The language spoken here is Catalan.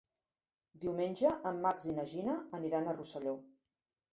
Diumenge en Max i na Gina aniran a Rosselló.